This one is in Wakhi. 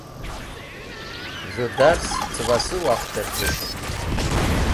Z̃hũ dars cẽbasu wakhter tu.